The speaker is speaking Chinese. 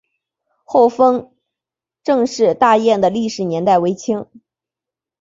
厚丰郑氏大厝的历史年代为清。